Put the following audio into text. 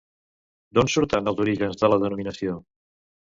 D'on surten els orígens de la denominació?